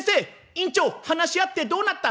「委員長話し合ってどうなった？」。